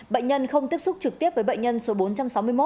bệnh nhân không tiếp xúc trực tiếp với bệnh nhân số bốn trăm sáu mươi một